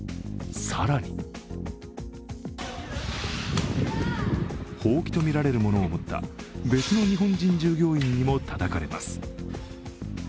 更にほうきとみられるものを持った別の日本人従業員にもたたかれます。